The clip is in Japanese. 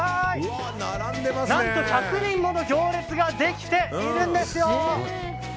何と１００人もの行列ができているんですよ！